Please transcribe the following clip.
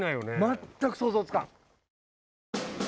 全く想像つかん。